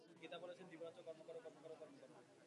গীতা বলিতেছেন, দিবারাত্র কর্ম কর, কর্ম কর, কর্ম কর।